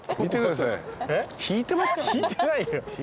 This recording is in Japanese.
引いてないよ。